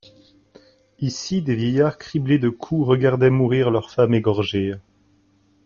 Ici des vieillards criblés de coups regardaient mourir leurs femmes égorgées.